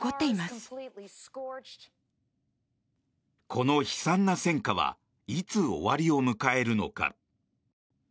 この悲惨な戦禍はいつ終わりを迎えるのか。